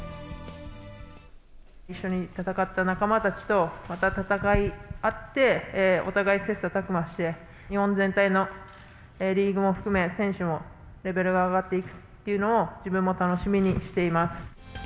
一緒に戦った仲間たちと、また戦い合って、お互い切さたく磨して、日本全体のリーグも含め、選手もレベルが上がっていくというのを自分も楽しみにしています。